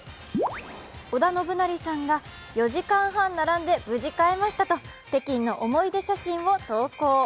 織田信成さんが４時間半並んで無事買えましたと、北京の思い出写真を投稿。